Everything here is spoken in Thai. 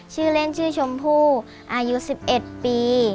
ชื่อเล่นชื่อชมพู่อายุ๑๑ปี